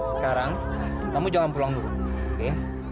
sekarang kamu jangan pulang dulu ya